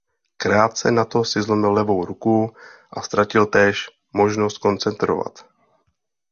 Krátce na to si zlomil levou ruku a ztratil též možnost koncertovat.